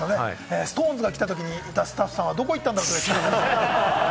ＳｉｘＴＯＮＥＳが来たときにいたスタッフさんは、どこに行ったんだろう？というぐらい。